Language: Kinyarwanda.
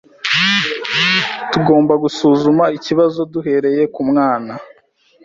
Tugomba gusuzuma ikibazo duhereye ku mwana.